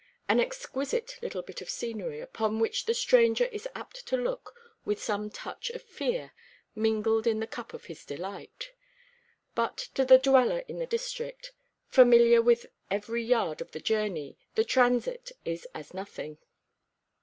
An exquisite little bit of scenery, upon which the stranger is apt to look with some touch of fear mingled in the cup of his delight: but to the dweller in the district, familiar with every yard of the journey, the transit is as nothing.